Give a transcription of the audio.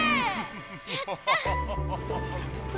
やった！